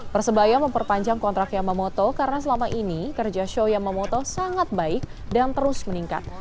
persebaya memperpanjang kontrak yamamoto karena selama ini kerja sho yamamoto sangat baik dan terus meningkat